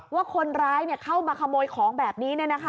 ว่าคนร้ายเข้ามาขโมยของแบบนี้